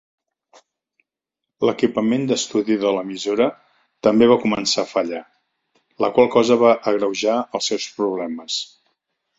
L'equipament d'estudi de l'emissora també va començar a fallar, la qual cosa va agreujar els seus problemes.